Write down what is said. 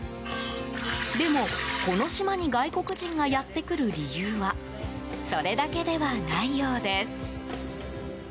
でも、この島に外国人がやってくる理由はそれだけではないようです。